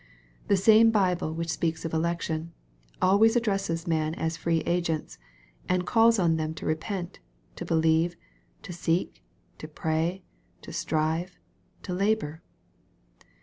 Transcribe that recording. The same Bible which speaks of election, always addresses men as free agents, and calls on them to repent, to believe, to seek, to pray, to strive, to labor.